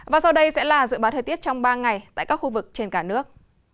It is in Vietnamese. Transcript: và sau đây sẽ là dự báo thời tiết trong ba ngày tại các khu vực trên cả nước